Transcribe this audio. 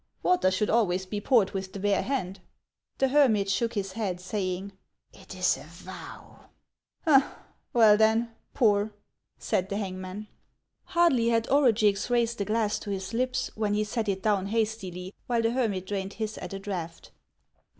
" Water should always be poured with the bare hand." The hermit shook his head, saying, " It is a vow." " Well, then, pour," said the hangman. HANS OF ICELAND. 151 Hardly had Orugix raised the glass to his lips when he set it down hastily, while the hermit drained his at a draught.